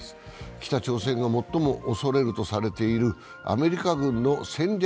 北朝鮮が最も恐れるとされているアメリカ軍の戦略